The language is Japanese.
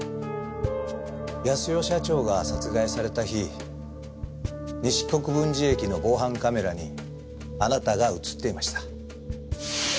康代社長が殺害された日西国分寺駅の防犯カメラにあなたが映っていました。